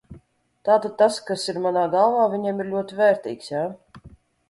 Tātad tas, kas ir manā galvā, viņiem ir ļoti vērtīgs, jā?